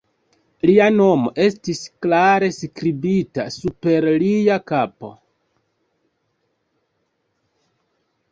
Lia nomo estis klare skribita super lia kapo.